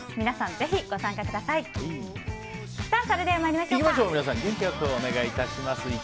皆さん、元気良くお願いします。